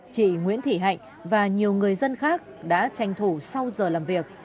chị nguyễn thị hạnh và nhiều người dân khác đã tranh thủ sau giờ làm việc